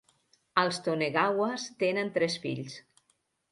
Els Tonegawas tenen tres fills.